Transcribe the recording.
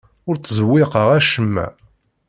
Ur ttzewwiqeɣ acemma.